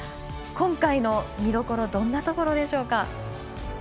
今回の見どころどんなところでしょうか。